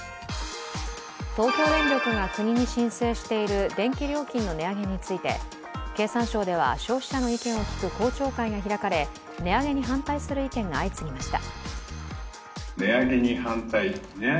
東京電力が国に申請している電気料金の値上げについて経産省では、消費者の意見を聞く公聴会が開かれ値上げに反対する意見が相次ぎました。